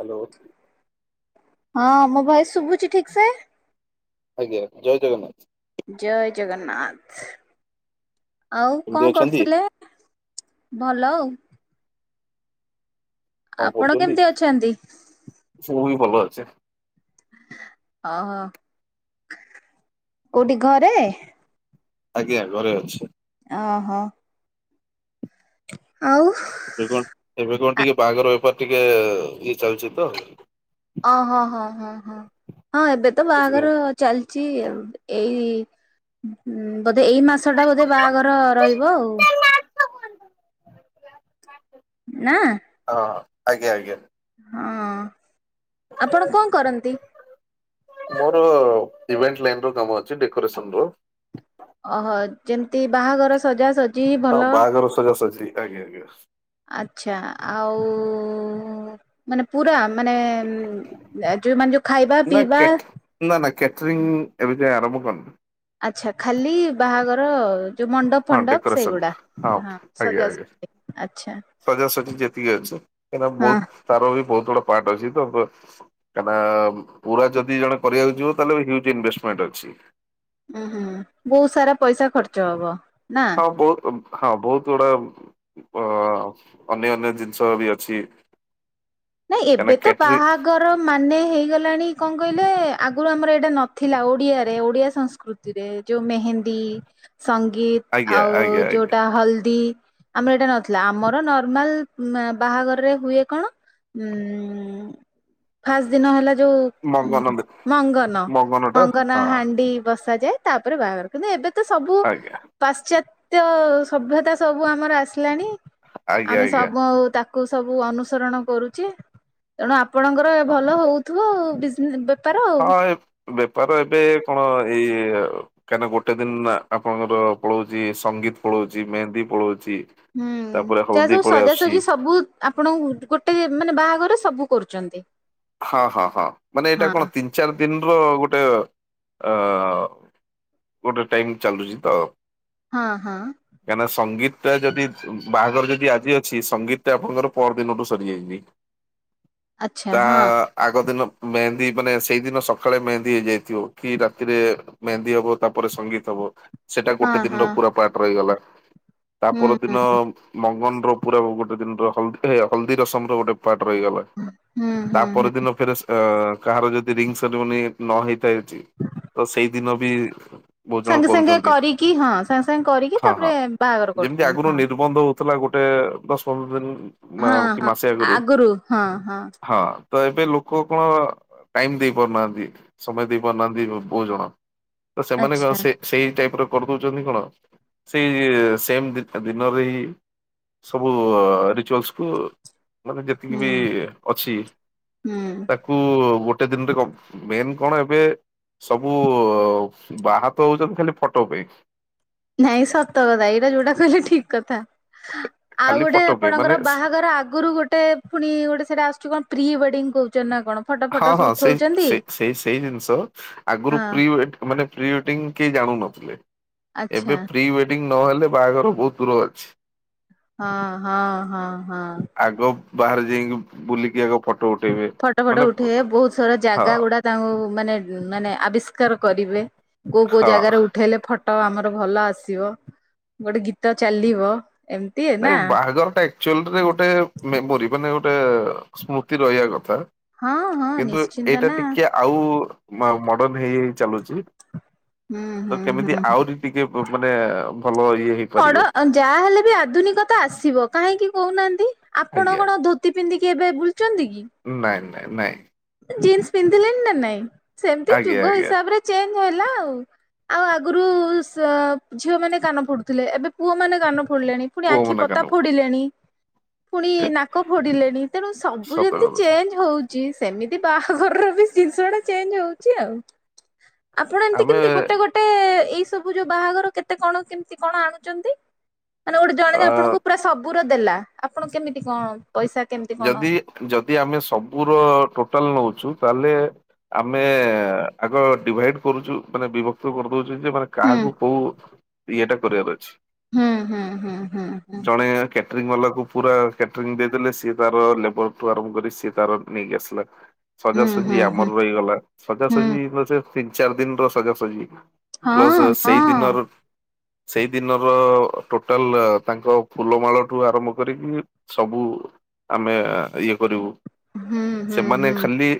Hello. ହଁ ମୋ voice ଶୁଭୁଛି ଠିକ ସେ? ଆଜ୍ଞା ଜୟ ଜଗନ୍ନାଥ। ଜୟ ଜଗନ୍ନାଥ। ଆଉ କେମିତି କଣ ଅଛନ୍ତି କରୁଥିଲେ? ଭଲ ଆଉ। କଁ ଆପଣ କରୁଛନ୍ତି? କେମିତି ଅଛନ୍ତି? ସବୁ ବି ଭଲ ଅଛେ। ଓହୋ କୋଉଠି ଘରେ? ଆଜ୍ଞା ଘରେ ଅଛି। ଓହଃ। ଆଉ? ଏବେ କଣ ଏବେ କଣ ଆ ଟିକେ ବାହାଘର ବେପାର ଟିକେ ଇଏ ଚାଲିଛି ତ। ଅ ହଁ ହଁ ହଁ ହଁ ହଁ ଏବେ ତ ସେଥିପାଇଁ ବାହାଘର ଚାଲିଛି ଆଉ। ଏଇ ବୋଧେ ଏଇ ମାସ ଟା ବୋଧେ ବାହାଘର ରହିବ ଆଉ। ନା ଓ ହଁ ଆଜ୍ଞା ଆଜ୍ଞା। ହଁ ଆପଣ କଣ କରନ୍ତି? ମୋର ଇଭେଣ୍ଟ ଲାଇନ ର କାମ ଅଛି ଡେକୋରେସନର ଓହୋ ଯେମିତି ବାହାଘର ସଜା ସଜ ହଁ ବାହାଘର ସଜାସ ଅଛି ଆଜ୍ଞା ଆଜ୍ଞା। ଆଛା ଆଉ ମାନେ ପୁରା ମାନେ ଯୋଉ ମାନେ ଯୋଉ ଖାଇବା ନା ପିଇବା କେଟ ନା ନା କ୍ୟାଟରିଂ ଏବେ ଯାଏ ଆରମ୍ଭ କରିନି ଆଛା ଖାଲି ବାହାଘର ଯୋଉ ମଣ୍ଡପ ହଁ ଫଣ୍ଡପ ଡେକୋରେସନ ସେଗୁଡା ହଁ ଆଜ୍ଞା ସଜା ଆଜ୍ଞା ସଜି ଆଛା। ସଜାସଜି ଯେତିକି ଅଛି। କାହିଁକିନା ବହୁତ ତାର ବି ବହୁତ ଗୁଡା ପାର୍ଟ ଅଛି ତ କାହିଁକିନା ପୁରା ଯଦି ଜଣେ କରିବାକୁ ଯିବ ତାହେଲେ ୟୁଜ ଇନଭେଷ୍ଟମେଣ୍ଟ ଅଛି। ଉହୁଁ ବହୁତ ସାରା ପଇସା ଖର୍ଚ୍ଚ ହବ ନା ହଁ ବହୁତ ହଁ ବହୁତ ଗୁଡା ଅ ଅନ୍ୟ ଅନ୍ୟ ଜିନିଷ ବି ଅଛି। ନାଇଁ କାହିଁକିନା ଏବେ ତ କ୍ୟାଟରି ବାହାଘର ମାନେ ହେଇଗଲ ହେଲାଣି କଣ କହିଲେ ଆଗରୁ ଆମର ଏଇଟା ନଥିଲା ଓଡିଆରେ ଓଡିଆ ସଂସ୍କୃତିରେ ଯୋଉ ମେହେନ୍ଦୀ ସଙ୍ଗୀତ ଆଜ୍ଞା ଆଉ ଆଜ୍ଞା ଆଜ୍ଞା। ଯୋଉଟା ହଳଦୀ ଆମର ଏଇଟା ନଥିଲା ଆମର ନର୍ମାଲ ବାହାଘରରେ ହୁଏ କଣ ହୁଁ। ଫାଷ୍ଟ ଦିନ ହେଲା ଯୋଉ ମଙ୍ଗନ ମଙ୍ଗନ ଟା ମଙ୍ଗନ ହଁ ହାଣ୍ଡି ବସ୍ ସା ଯାଏ ତାପରେ ବାହାଘର କିନ୍ତୁ ଏବେ ତ ସବୁ ଆଜ୍ଞା ପାଶ୍ଚାତ୍ ତ୍ୟ ସଭ୍ୟତା ସବୁ ଆମର ଆସିଲାଣି ଆଜ୍ଞା ଆମେ ଆଜ୍ଞା ସବୁ ତାକୁ କୁ ସବୁ ଅନୁସରଣ କରୁଚି ତେଣୁ ଆପଣଙ୍କର ଏ ଭଲ ହୋଉଥିବ ବି ହଁ ଏ ବେପାର ଏବେ କଣ ଏଇ କାହିଁକି ନା ଗୋଟେ ଦିନ ଆପଣଙ୍କର ପଳଉଚି ସଙ୍ଗୀତ ପଳଉଚି ମେହେନ୍ଦୀ ପଳଉଚି ହୁଁ ତାହା ସବୁ ସଜାସଜି ସବୁ ଆପଣଙ୍କୁ ଗୋଟେ ମାନେ ବାହାଘର ସବୁ କରୁଚନ୍ତି। ହଁ ହଁ ହଁ ମାନେ ଏଇଟା କଣ ତିନି ଚାରି ଦିନର ଗୋଟେ ଆ ଗୋଟେ ଟାଇମ୍ ଚାଲୁଚି ତ ହଁ ହଁ କାହିଁକିନା ସଙ୍ଗୀତ ପ୍ରାୟେ ଯଦି ବାହାଘର ଯଦି ଆଜି ଅଛି ସଙ୍ଗୀତ ଟା ଆପଣଙ୍କର ପର ଦିନଠୁ ସରିଯାଇଥିବ। ଆଛା ଆ ହଁ। ଆଗ ଦିନ ମେହେନ୍ଦୀ ମାନେ ସେଇଦିନ ସକାଳେ ମେହେନ୍ଦୀ ହେଇଯାଇଥିବ କି ରାତିରେ ମେହେନ୍ଦୀ ହବ ତାପରେ ସଙ୍ଗୀତ ହବ। ସେଇଟା ହଁ ଗୋଟେ ଦିନ ର ହଁ ପୁରା ପାର୍ଟ ରହିଗଲା ତା ହୁଁ ପର ହୁଁ ଦିନ ମଙ୍ଗନ ର ପୁରା ଗୋଟେ ଦିନ ହଦୀ ହଳଦୀ ରସମ ର ଗୋଟେ ପାଟ ହୁଁ। ହୁଁ ହୁଁ ତାପ ହୁଁ ଦିନ ଫରେ କାହାର ଯଦି ରିଙ୍ଗ ସେରିିମନି ଯଦି ନ ହେଇଥାଏ। ତ ସେଇଦିନ ବି ବହୁ ଜଣ ସାଙ୍ଗେ ସାଙ୍ଗେ କରୁଛନ୍ତି କରିକି ହଁ ସାଙ୍ଗେ ସାଙ୍ଗେ କରିକି ହଁ ତାପରେ ହଁ ବାହାଘର ଯେମିତି କରୁଛନ୍ତି ଆଗରୁ ହଁ। ନିର୍ବନ୍ଧ ହୋଉଥିଲା ଗୋଟେ ଗୋଟେ ଦସ ପନ୍ଦର ଦିନ ମା ହଁ କି ହଁ ମାସେ ଆଗରୁ ହଁ ହଁ। ତ ଏବେ ଲୋକ କଣ ଟାଇମ ଦେଇ ପାରୁନାହାନ୍ତି ସମୟ ଦେଇ ପାରୁନାହାନ୍ତି ବହୁତ ଜଣ ତ ସେମାନେଙ୍କ ଆଚ୍ଛା ସେ ସେଇ ଟାଇପ ର କରିଦଉଛନ୍ତି କଣ ସେଇ ସେମ ଦିନଟା ଦିନରେ ହି ସବୁ ରିଚୁଆଲସକୁ ମାନେ ଯେତିକି ହୁଁ ବି ଅଛି ହୁଁ। ତାକୁ ଗୋଟେ ଦିନରେ ମେନ୍ କଣ ଏବେ ସବୁ ବାହାତ ହୋଉଚନ୍ତି ଖାଲି ଫଟୋ ପାଇଁ ନାଇଁ ସତ କଥା ଏଇଟା ଯୋଉଟା କହିଲେ ଠିକ କଥା। ଆଉ ଖାଲି ଗୋଟେ ଫଟୋ ପାଇଁ ଆପଣଙ୍କର ମାନେ ବାହାଘର ଆଗରୁ ଗୋଟେ ପୁଣି ଗୋଟେ ସେଟା ଆସୁଛି କଣ ପ୍ରି ୱେଡିଙ୍ଗ କହୁ ହଁ ହଁ ସେଇ ସେ ସେଇ ସେଇ ଜିନିଷ ଆଗରୁ ହଁ ପ୍ରି ୱେ ମାନେ ପ୍ରି ୱେଡିଙ୍ଗ କେହି ଜାଣୁନଥିଲେ। ଆଚ୍ଛା ଏବେ ପ୍ରି ୱେଡିଙ୍ଗ ନହେଲେ ବାହାଘର ବହୁତ ଦୂର ଅଛି। ହଁ ହଁ ହଁ ହଁ। ଆଗ ବାହାରେ ଯାଇକି ବୁଲିକି ଆଗ ଫଟୋ ଉଠେଇବେ। ଫଟ ମାନେ ଉଠେଇ ବହୁତ ସରା ହଁ ଜାଗା ଗୁଡା ତାଙ୍କୁ ମାନେ ମାନେ ଆବିଷ୍କାର କରିବେ। କୋଉ କୋଉ ହଁ ଜାଗାରେ ଉଠେଇଲେ ଫଟୋ ଆମର ଭଲ ଆସିବ ଗୋଟେ ଗୀତ ଚାଲିବ। ଏମିତି ନା ନାଇଁ ବାହାଘର ଅକ୍ଚୁଆଲ ରେ ଗୋଟେ ମେମୋରି ମାନେ ଗୋଟେ ଗୋଟେ ସ୍ମୃତି ରହିବା କଥା ହଁ ହଁ କିନ୍ତୁ ନିଶ୍ଚିନ୍ତ ଏଇଟା ନା ଟିକେ ଆଉ ମ ମଡର୍ଣ ହେଇ ହେଇ ଚାଲୁଛି ହୁଁ ତ ହୁଁ କେମିତି ହୁଁ। ଆହୁରି ଟିକେ ବ ମାନେ ଭଲ ଇଏ ହେଇପାରିବ ପଡ ଅ ଯାହାହଲେ ବି ଆଧୁନିକ ତ ଆସିବ କାହିଁକି କହୁନାହାନ୍ତି ଆପଣ ଆଜ୍ଞା। କଣ ଧୋତି ପିନ୍ଧିକି ଏବେ ବୁଲୁଛନ୍ତି କି। ନାଇଁ ନାଇଁ। ଜିନସ୍ ପିନ୍ଧିଲେ ନା ନାଇଁ ସେମତି ଆଜ୍ଞା ଯୁଗ ଆଜ୍ଞା ହିସାବରେ ଚେଞ୍ଜ ହେଲା ଆଉ ଆଉ ଆଗରୁ ସ ଝିଅ ମାନେ କାନ ଫୋଡୁ ଥିଲେ ଏବେ ପୁଅ ମାନେ କାନ ଫୋଡିଲେଣି ପୁଣି ପୁଅ ଆଖି ମନା ପତା କାନୁନ। ଫୋଡିଲେଣି। ପୁଣି ନାକ ଫୋଡିଲେଣି ତେଣୁ ସବୁ ସତ ଯେମିତି କଥା ଚେଞ୍ଜ ହଉଛି। ସେମିତି ବାହାଘରର ବି ଜିନିଷ ଟା ଚେଞ୍ଜ ହଉଛି ଆଉ। ଆପଣ ଏମିତି ଆମେ କେମିତି ଗୋଟେ ଗୋଟେ ଏଇ ସବୁ ଯୋଉ ବାହାଘର କେତେ କଣ କେମତି କଣ ଆଣୁଛନ୍ତି? ମାନେ ଗୋଟେ ଜଣେ ଅ ଯେ ଆପଣଙ୍କୁ ପୁରା ସବୁର ଦେଲା ଆପଣ କେମିତି କଣ? ପଇସା କେମିତି କଣ ଯଦି ଯଦି ଆମେ ସବୁର ଟୋଟାଲ ନେଉଛୁ ତାହେଲେ ଆମେ ଆଗ ଡିଭାଇଡ କରୁଛୁ ମାନେ ବିଭକ୍ତ କରୁ କହୁ ଯେ ମାନେ ହୁଁ କାହାକୁ କୋଉ ଇଏଟା କରିବାର ଅଛି। ହୁଁ ହୁଁ ହୁଁ ହୁଁ ହୁଁ। ତ୍ରି ମଲାକୁ ପୁରା କ୍ୟାଟରିଂ ଦେଇଦେଲେ ସ ତାର ଲେବର ଠୁ ଆରଭ କରି ସିଏ ତାର ନେଇକି ଆସିଲା। ସଜାସଜି ହୁଁ ହୁଁ ହୁଁ ଆମର ରହିଗଲା ହୁଁ ସଜାସଜି ପଛେ ତିନି ଚାରି ଦିନ ର ସଜାସଜି ପ୍ଲସ୍ ହଁ ସେଇ ଦିନର ହଁ ସେଇ ଦିନର ଟୋଟାଲ ତାଙ୍କ ଫୁଲମାଳଠୁ ଆରମ୍ଭ କରିକି ସବୁ। ଆମେ ଇଏ କରିବୁ ହୁଁ ହୁଁ ସେମାନେ ହୁଁ ଖାଲି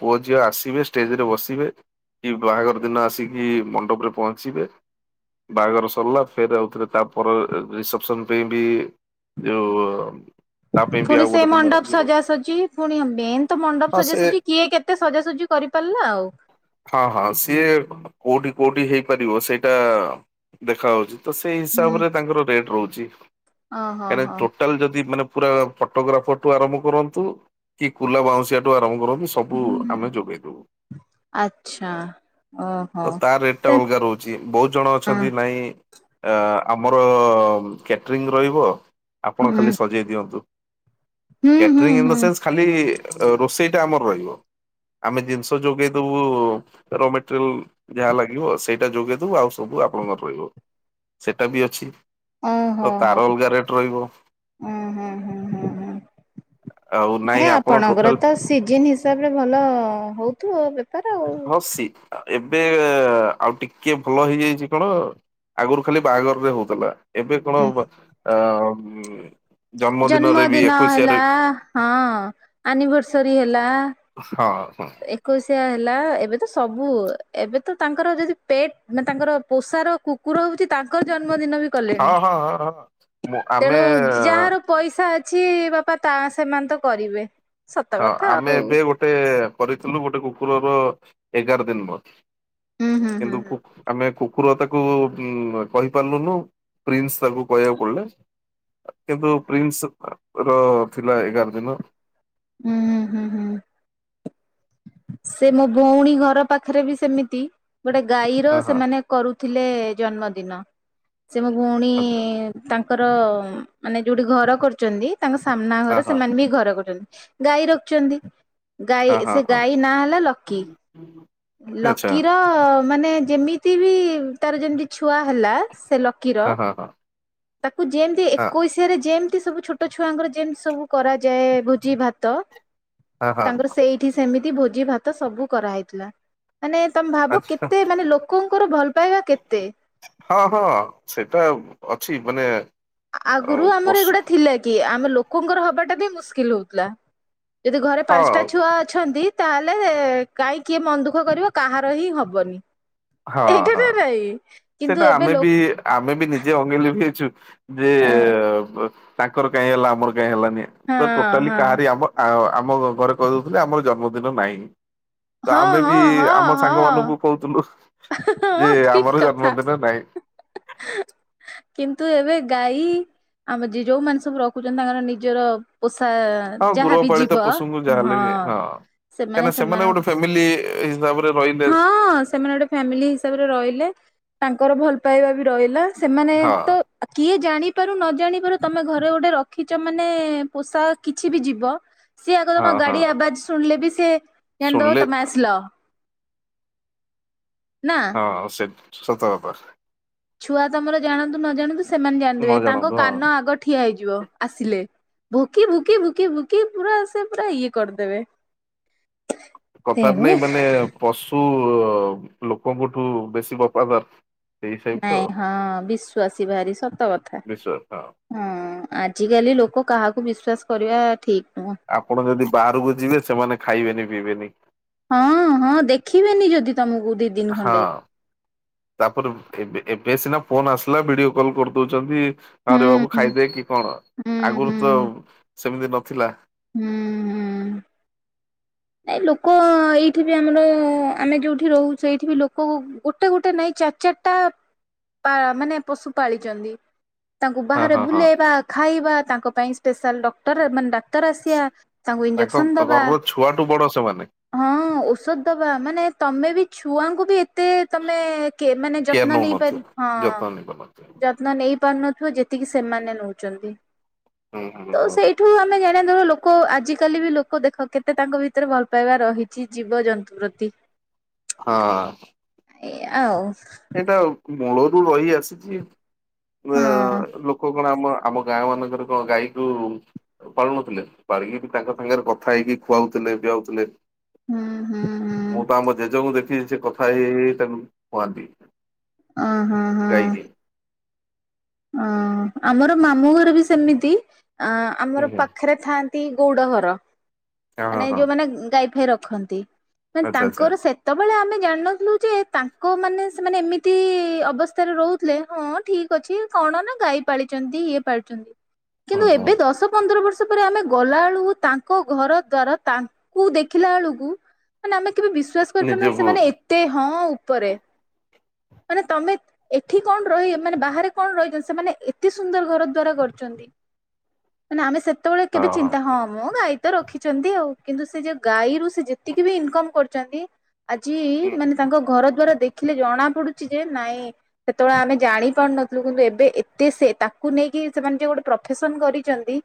ପୁଅ ଝିଅ ଆସିବେ ଷ୍ଟେଜରେ ବସିବେ। କି ବାହାଘର ଦିନ ଆସିକି ମଣ୍ଡପରେ ପହଞ୍ଚିବେ। ବାହାଘର ସରିଲା ଫେର ଆଉଥିଲେ ତାପରେ ରିସେପସନ ପାଇଁ ବି ଯୋଉ ତା ପାଇଁ ବି ପୁଣି ଆଉ ସେ ଗୋଟେ ଦିନ ମଣ୍ଡପ ଇଏ ରହୁଛି ସଜାସଜି ପୁଣି ମେନ୍ ତ ମଣ୍ଡପ ହଁ ସେ ସଜାସଜି କିଏ କେତେ ସଜାସଜି କର କରିପାରିଲା ଆଉ। ହଁ ହଁ ସିଏ କୋଉଠି କୋଉଠି ହେଇପାରିବ ସେଇଟା ଦେଖା ହଉଛି ତ ସେଇ ହୁଁ ହିସାବରେ ତାଙ୍କର ରେଟ୍ ରହୁଛି। ଓହୋ କାଁ ହୋ ଟୋଟାଲ ଯଦି ମାନେ ପୁରା ଫଟୋଗ୍ରାଫର ଠୁ ଆରମ୍ଭ କରନ୍ତୁ କି କୁଲା ବାଉଁଶଆଠୁ ଆରମ୍ଭ କରନ୍ତୁ ସବୁ ଆମେ ଯୋଗେଇ ଦବୁ। ଆଛା। ତ ତା ରେଟ ଟା ଅଲଗା ରହୁଛି ବହୁତ ଜଣ ହଁ ଅଛନ୍ତି ନାଇଁ ଆମର କ୍ୟାଟରିଂ ରହିବ ଆପଣ ହୁଁ ଖାଲି ସଜେଇ ଦିଅନ୍ତୁ। ହୁଁ ହୁଁ କ୍ୟାଟରିଂ ଇନ ଦ ହୁଁ ସେନ୍ସ ଖାଲି ରୋଷେଇ ଟା ଆମର ରହିବ। ଆମେ ଜିନିଷ ଯୋଗେଇ ଦବୁ ର ମେଟେରିଆଲ ଯାହା ଲାଗିବ ସେଇଟା ଯୋଗେଇ ଦବୁ ଆଉ ସବୁ ଆପଣଙ୍କର ରହିବ ସେଇଟା ବି ଅଛି। ତ ଓହୋ ହୋ ତାର ଅଲଗା ରେଟ ରହିବ। ଆଉ ନାଇଁ ହେ ଆପଣ ଆପଣଙ୍କର ଟୋଟାଲ ତ ସିଜନ ହିସାବରେ ଭଲ ହଉଥିବ ବେ ହ ସେ ଏବେ ଆଉ ଟିକେ ଭଲ ହେଇଯାଇଛି କଣ ଆଗରୁ ଖାଲି ବାହାଘରରେ ହଉଥିଲା। ଏବେ କଣ ଅ ଜନ୍ମଦିନରେ ବି ଜନ୍ମଦିନ ହେଲା ଏକୋଇଶିଆରେ ହଁ ଆନିଭର୍ସରୀ ହେଲା। ହଁ ହଁ ଏକୋଇଶିଆ ହେଲା ଏବେ ସବୁ ଏବେ ତ ତାଙ୍କର ଯଦି ପେଟ ମାନେ ତାଙ୍କର ପୋଷାର କୁକୁର ହଉଛି ତାଙ୍କର ଜନ୍ ଜନ୍ମଦିନ ବି ହଁ କଲେଣି ହଁ ହଁ ହଁ। ମୁଁ ଆମେ ତେଣୁ ଯାହାର ପଇସା ଅଛି ବାପା ତା ସେମାନେ ତ କରିବେ। ସତ ହଁ କଥା ଆମେ ଆଉ ଏବେ ଗୋଟେ କରିଥିଲୁ ଗୋଟେ କୁକୁରର ଏଗାର ଦିନ ମନ୍ଥ୍ ହୁଁ ହୁଁ ହୁଁ କିନ୍ତୁ କୁ-ଆମେ କୁ କୁର ତାକୁ ଉଁ-କହି ପାରଲୁନୁ ପ୍ରିନସ୍ ତାକୁ କହିବାକୁ ପଡିଲା। କିନ୍ତୁ ପ୍ରିନସର ଥିଲା ଏଗାର ଦିନ। ହୁଁ ହୁଁ ହୁଁ। ସେ ମୋ ଭୋଉଣୀ ଘର ପାଖରେ ବି ସେମିତି ଗୋଟେ ଗାଈର ହଁ ହଁ ସେମାନେ କରୁଥିଲେ ଜନ୍ମଦିନ ସେ ମୋ ଭୋଉଣୀ ତାଙ୍କ୍ ତାଙ୍କର ମାନେ ଯୋଉଠି ଘର କରୁଚନ୍ତି ତାଙ୍କ ସାମ୍ନା ଘର ହଁ ହଁ ସେମାନେ ବି ଘର କରୁଚନ୍ତି। ଗାଈ ରଖିଚନ୍ତି ଗାଈ ହଁ ସେ ହଁ ଗାଈ ନା ଲକି ଆଚ୍ଛା ଲକିର ମାନେ ଯେମିତି ବି ତାର ଯେମିତି ଛୁଆ ହେଲା ସେ ଲକିର ହଁ ହଁ ହଁ। ଯେମତି ହଁ ଏକୋଇଶିଆରେ ଯେମ୍ ତି ସବୁ ଛୋଟ ଛୁଆଙ୍କର ଯେମତି ସବୁ କରାଯାଏ ଭୋଜି ଭାତ ହଁ ହଁ ତାଙ୍କର ସେଇଠି ସେମିତି ଭୋଜି ଭାତ ସବୁ କରାହେଇଥିଲା। ମାନେ ତମେ ଭାବ ଆଚ୍ଛା କେତେ ମାନେ ଲୋକଙ୍କର ଭଲ ପାଇବା କେତେ। ହଁ ହଁ ସେଇଟା ଅଛି ମାନେ ଆଉ ଆ-ଆଗୁରୁ ଆମର ପଶୁ ଏଗୁଡା ଥିଲା କି ଆମେ ଲୋକଙ୍କର ହବାଟା ବି ମୁସ୍କିଲ୍ ହୋଉଥିଲା। ଯଦି ଘରେ ହଁ ପାଞ୍ଚଟା ଛୁଆ ଅଛନ୍ତି ତାହେଲେ କାଇଁ କିଏ ମନ ଦୁଃଖ କରିବ କାହାର ହିଁ ହବନି। ଏଇଟା ବି ଭାଇ ସେଟା ଆମେ ବି ଆମେ ବି ନିଜେ ଅଙ୍ଗେ ଲଭେଇଚୁ ଯେ ତାଙ୍କର କାଇଁ ହେଲା ଆମର କାଇଁ ହେଲାନି ହଁ ତ ଟୋଟାଲି ହଁ କାହାରି ଆମ ଆ-ଆମ ଘରେ କହି ଦୋଉଥିଲେ ଆମର ଜନ୍ମ ଦିନ ନାହିଁ ତ ହଁ ଆମେ ବି ହଁ ଆମ ସାଙ୍ଗମାନଙ୍କୁ କୋହୁଥିଲୁ। ହଁ ହଁ ହଁ ଠିକ କ ନ୍ମ ଦିନ ନାହିଁ। [inaudible] କିନ୍ତୁ ଏବେ ଗାଈ ଆମ ଯି-ଯୋଉମାନେ ସବୁ ରଖୁଚନ୍ତି ତାଙ୍କର ନିଜର ପୋ ତ ହଁ ଯାହାବି ଗୃହପାଳିତ ଯିବ ପଶୁଙ୍କୁ ଯାହାହେଲେ ହଁ। ବି ସେମାନେ କାହିଁକିନା ସେମାନଙ୍କ ଗୋଟେ ଫ୍ୟାମିଲି ହିସାବରେ ରହିଲେ ହଁ ସେମାନେ ଗୋଟେ ଫ୍ୟାମିଲି ହିସାବରେ ରହିଲେ। ତାଙ୍କର ଭଲ ପାଇବା ବି ରହିଲା ସେମାନେ ହଁ ତ ଆ-କିଏ ଜାଣି ପାରୁ ନ ଜାଣିପାରୁ ତମେ ଘରେ ଗୋଟେ ରଖିଚ ମାନେ ପୋଷା କିଛି ବି ଯିବ ସିଏ ଆଗ ହଁ ତମ ହଁ ଗାଡି ଆବାଜ ଶୁଣିଲେ ବି ସିଏ ଜାଣିଦବା ଶୁଣିଲେ ତମେ ଆସିଲ। ନା। ହଁ ସେ ଶବ୍ଦ ବାରିପାରେ। ଛୁଆ ତମର ଜାଣନ୍ତୁ ନ ଜାଣନ୍ତୁ ସେମାନେ ନ ଜାଣିଦିବେ ତାଙ୍କ ଜାଣନ୍ତୁ ହଁ। କାନ ଆଗ ଠିଆ ହେଇଯିବ ଆସିଲେ। ଭୁକି ଭୁକି ଭୁକି ଭୁକି ପୁରା ସେ ପୁରା ଇଏ କରିଦେବେ। କଥାରେ ତେଣୁ ନାଇଁ ମାନେ ପଶୁ ଅ-ଲୋକଙ୍କଠୁ ବେଶୀ ବଫାଦାର। ସେଇ ଟାଇପ୍ ର ନାଇଁ ହଁ ବିଶ୍ୱାସୀ ଭାରି ସତକଥା। ବିଶ୍ଵ ହଁ ହଁ ଆଜିକାଲି ଲୋକ କାହାକୁ ବିଶ୍ଵାସ କରିବା ଠିକ୍ ଆପଣ ଯଦି ବାହାରକୁ ଯିବେ ସେମାନେ ଖାଇବେନି ପିଇବେନି। ହଁ ହଁ ଦେଖିବେନି ଯଦି ତମକୁ ଦି ଦିନ ହଁ ଖଣ୍ଡେ ତାପରେ ଏବେ-ଏବେ ବେ ସିନା ଫୋନ ଆସିଲା ଭିଡିଓ କଲ କରିଦୋଉଚନ୍ତି। ହୁଁ ଆରେ ବାବୁ ହୁଁ ଖାଇଦେ କି କଣ ହୁଁ ହୁଁ ଆଗରୁ ତ ସେମିତି ନଥିଲା। ହୁଁ ହୁଁ। ନାଇଁ ଲୋକ ଏଇଠି ବି ଆମର ଆମେ ଯୋଉଠି ରହୁ ସେଇଠି ବି ଲୋକ ଗୋଟେ ଗୋଟେ ନାଇଁ ଚାରଚା ଚାରଟା ପାଳ-ମାନେ ପଶୁ ପାଳିଚନ୍ତି। ତାଙ୍କୁ ହଁ ବାହାରେ ହଁ ହଁ। ବୁଲେଇବା ଖାଇବା ତାଙ୍କ ପାଇଁ ସ୍ପେଶାଲ ଡକ୍ଟର ମାନେ ଡା ତାର ସିଆ ତାଙ୍କୁ ତାଙ୍କ ଇଞ୍ଜେକ୍ସନ ଦବା। ଘରର ଛୁଆଠୁ ବଡ ସେମାନେ ହଁ ଔଷଧ ଦବା ମାନେ ତମେ ବି ଛୁଆଙ୍କୁ ବି ତେ ତମେ କେ ମାନେ କେୟାର ଯତ୍ନ ନଉନଥିଲେ। ନେଇପାର ଯତ୍ନ ହଁ ନେଇ ପାରୁନଥିଲେ ଯତ୍ନ ନେଇ ପାରୁନ ଯେତିକି ସେମାନେ ନଉଛନ୍ତି ହୁଁ ହୁଁ ତ ହଁ ସେଇଠୁ ଆମେ ଜାଣି ଧର ଲୋକ ଆଜିକାଲି ବି ଲୋକ ଦେଖ କେତେ ତାଙ୍କ ଭିତ ତରେ ଭଲ ପାଇବା ରହିଛି ଜୀବଜନ୍ତୁ ପ୍ରତି। ହଁ। ଆଉ। ଏଇଟା ମୂଳରୁ ରହି ଆସିଛି। ଅ ହଁ ଲୋକ କଣ ଆମ ଆମ ଗାଁ ମାନଙ୍କରେ କଣ ଗାଈକୁ ପାଳୁନଥିଲେ ପାଳିକି ବି ତାଙ୍କ ସାଙ୍ଗରେ କଥା ହେଇକି ଖୁଆଉଥିଲେ ପିଆଉଥିଲେ। ହୁଁ ହୁଁ ହୁଁ ମୁଁ ତ ଆମ ଜେଜକୁ ଦେଖିଛି ସେ କଥା ହେଇ ହେଇ ତାକୁ ଖୁଆନ୍ତି। ହଁ ହଁ ହଁ। ଗାଈକି। ଅ ଆମର ମାମୁଁ ଘର ବି ସେମିତି ଅ ଆମର ହୁଁ ହୁଁ ପାଖରେ ଥାଆନ୍ତି। ଗଉଡ ଘର ହଁ ହଁ ମାନେ ହଁ ଯୋଉମାନେ ଗାଈ ଫାଇ ରଖନ୍ତି। ମାନେ ଆଚ୍ଛା ଆଚ୍ଛା ତାଙ୍କର ସେତେବେଳେ ଆମେ ଜାଣି ନଥିଲୁ ଯେ ତାଙ୍କ ମାନେ ସେମାନେ ଏମିତି ଅବସ୍ଥାରେ ରହୁଥିଲେ। ହଁ ଠିକ୍ ଅଛି। କଣ ନା ଗାଈ ପାଳିଛନ୍ତି ଇଏ ପାଳିଛନ୍ତି ହଁ କିନ୍ତୁ ହଁ ଏବେ ଦଶ ପନ୍ଦର ବର୍ଷ ସେପଟେ ଆମେ ଗଲା ବେଳକୁ ତାଙ୍କ ଘରଦ୍ବାର ତାଙ୍କୁ ଦେଖିଲା ବେଳକୁ ମାନେ ଆମେ କେବେ ବିଶ୍ଵାସ କରିପାରୁନାହୁଁ ନିଜକୁ ସେମାନେ ଏତେ ହଁ ଉପ ଉପରେ ମାନେ ତମେ ଏଠି କଣ ରହିବ ମାନେ ବାହାରେ କଣ ରହିଛନ୍ତି ସେମାନେ ଏତେ ସୁନ୍ଦର ଘର ଦ୍ଵାରା କରିଛନ୍ତି ମାନେ ଆମେ ସେ କେତେବେଳେ ହଁ କେବେ ହଁ। ଚିନ୍ତା ହଁମ ଗାଈ ତ ରଖିଛନ୍ତି ଆଉ। କିନ୍ତୁ ସେ ଯେ ଗାଈରୁ ସେ ଯେତିକି ବି ଇନକମ କରୁଛନ୍ତି ଆଜି ହୁଁ ମାନେ ତାଙ୍କ ଘର ଦ୍ଵାରା ଦେ ଦେଖିଲେ ଜଣା ପଡୁଛି ଯେ ନାଇଁ ସେତେବେଳେ ଆମେ ଜାଣି ପାରୁନ [inaudible] ଏବେ ଏତେ ସେ ତାକୁ ନେଇକି ସେମାନେ ଯେ ଗୋଟେ ପ୍ରଫେସନ କରିଚନ୍ତି।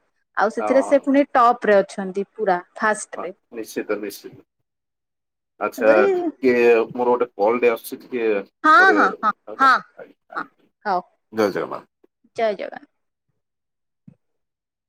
ଆଉ ହଁ ସେଥିରେ ହଁ ସେ ପୁଣି ଟପରେ ଅଛନ୍ତି ପୁରା। ହଁ ଫାଷ୍ଟରେ ନିଶ୍ଚିତ ନିଶ୍ଚିତ ଆଚ୍ଛା ତେଣୁକରି ଟିକେ ମୋର ଗୋଟେ କଲ୍ ଟେ ଆସୁ ହଁ ହଁ ହଁ ହଁ ଆଜ୍ଞା ହଁ ଆଜ୍ଞା ହଉ ଜୟ ଜଗନ୍ନାଥ। ଜୟ ଜଗନ୍ନାଥ।